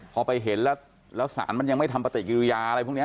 พอไปเห็นแล้วสารมันยังไม่ทำปฏิกิริยาอะไรพวกนี้